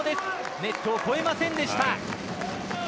ネットを越えませんでした。